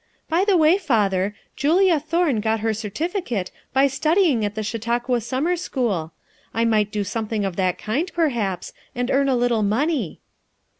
By the way, Father, Julia Thorn got her certificate by studying at the Chautauqua summer school, I might do some thing of that kind, perhaps, and earn a little money."